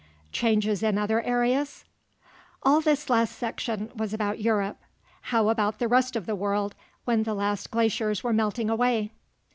CHANGES IN OTHER AREAS? All this last section was about Europe. How about the rest of the world when the last glaciers were melting away?